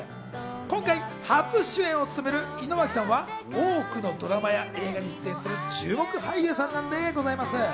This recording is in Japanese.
今回、初主演を務める井之脇さんは多くのドラマや映画に出演する注目俳優さんなんでございます。